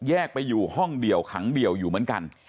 ไปอยู่ห้องเดียวขังเดี่ยวอยู่เหมือนกัน